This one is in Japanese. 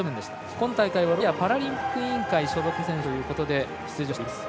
今大会はロシア・パラリンピック委員会所属の選手ということで出場しています。